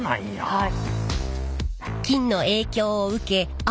はい。